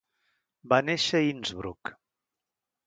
Va néixer a Innsbruck.